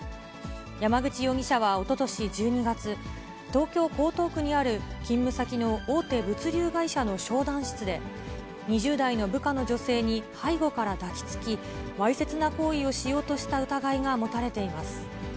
山口容疑者はおととし１２月、東京・江東区にある勤務先の大手物流会社の商談室で、２０代の部下の女性に背後から抱きつき、わいせつな行為をしようとした疑いが持たれています。